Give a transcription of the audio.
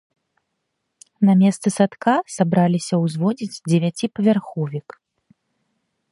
На месцы садка сабраліся ўзводзіць дзевяціпавярховік.